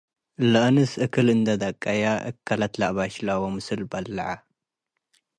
ለአንስ እክል እንዴ ደቀየ እከለት ለአበሽለ ወምስል በልዐ ።